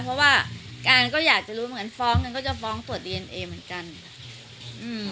เพราะว่าการก็อยากจะรู้เหมือนกันฟ้องกันก็จะฟ้องตรวจดีเอนเอเหมือนกันอืม